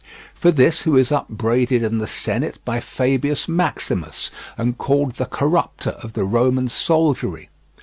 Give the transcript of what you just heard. For this he was upbraided in the Senate by Fabius Maximus, and called the corrupter of the Roman soldiery.